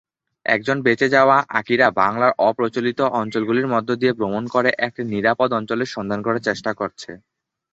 একজন বেঁচে যাওয়া আকিরা বাংলার অপ্রচলিত অঞ্চলগুলির মধ্যে দিয়ে ভ্রমণ করে একটি নিরাপদ অঞ্চলের সন্ধান করার চেষ্টা করছে।